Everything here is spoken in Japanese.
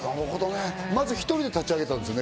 まず１人で会社を立ち上げたんですよね？